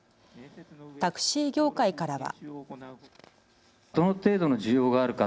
タクシー業界からは。